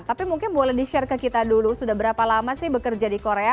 tapi mungkin boleh di share ke kita dulu sudah berapa lama sih bekerja di korea